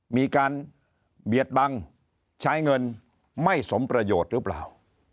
มีการเบียดบังใช้เงินไม่สมประโยชน์หรือเปล่า